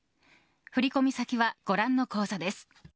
振込先はご覧の口座です。